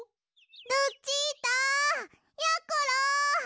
ルチータやころ！